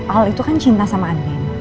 al itu kan cinta sama admin